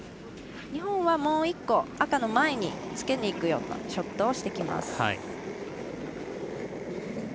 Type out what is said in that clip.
日本は、もう一個赤の前につけにいくようなショットをしてきます。